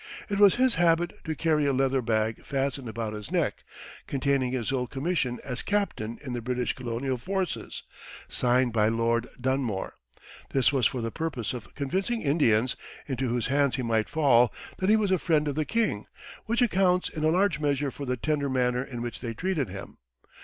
It was his habit to carry a leather bag fastened about his neck, containing his old commission as captain in the British colonial forces, signed by Lord Dunmore. This was for the purpose of convincing Indians, into whose hands he might fall, that he was a friend of the king; which accounts in a large measure for the tender manner in which they treated him.